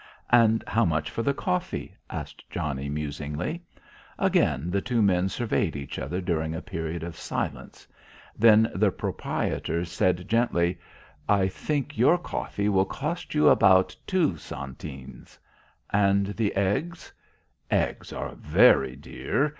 "And how much for the coffee?" asked Johnnie musingly. Again the two men surveyed each other during a period of silence. Then the proprietor said gently, "I think your coffee will cost you about two centenes." "And the eggs?" "Eggs are very dear.